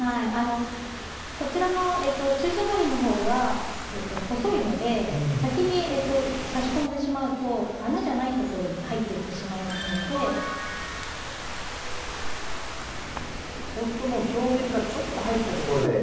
こちらの注射針のほうが細いので先に差し込んでしまうと穴じゃないところに入っていってしまいますので本当、表面からちょっと入ったところで。